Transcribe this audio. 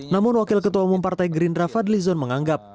namun wakil ketua umum partai green rafa delizon menganggap